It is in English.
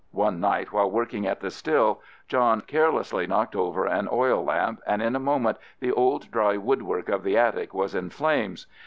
One night while working at the still, John carelessly knocked over an oil lamp, and in a moment the old dry woodwork of the attic was in flames.